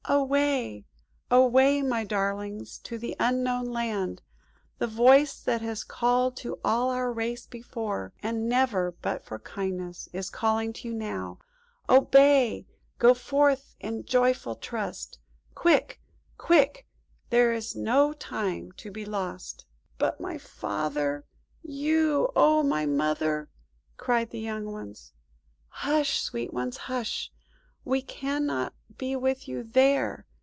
"Away, away, my darlings, to the Unknown Land. The voice that has called to all our race before, and never but for kindness, is calling to you now! Obey! Go forth in joyful trust! Quick! Quick! There's no time to be lost!" "But my Father–you–oh, my Mother!" cried the young ones. "Hush, sweet ones, hush! We cannot be with you there.